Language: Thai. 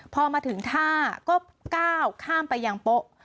พอมาถึงท่าก็ก้าวข้ามไปยังโป๊ะ